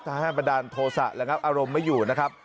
ทหารประดานโทษะและงั้นอารมณ์ไม่อยู่นะครับ